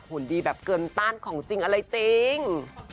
ผลดีแบบเกินต้านของจริงอะไรจริง